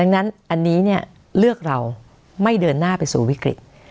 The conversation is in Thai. ดังนั้นอันนี้เนี่ยเลือกเราไม่เดินหน้าไปสู่วิกฤต